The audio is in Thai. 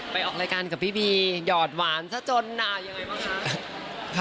ออกรายการกับพี่บีหยอดหวานซะจนด่ายังไงบ้างคะ